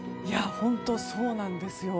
本当、そうなんですよ。